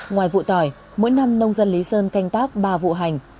ngoài vụ tỏi mỗi năm nông dân lý sơn canh tác ba vụ hành